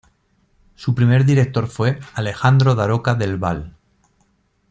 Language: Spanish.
Su primer director fue Alejandro Daroca del Val.